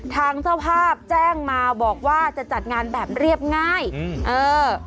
ทางเจ้าภาพแจ้งมาบอกว่าจะจัดงานแบบเรียบง่ายอืมเออ